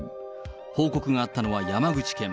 報告があったのは山口県。